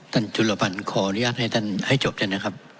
ท่านจุฬบันขออนุญาตให้ท่านให้จบนะครับ